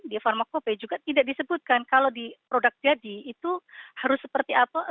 di pharmacope juga tidak disebutkan kalau di produk jadi itu harus seperti apa